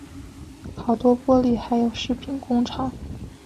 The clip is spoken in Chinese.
好多玻璃还有饰品工厂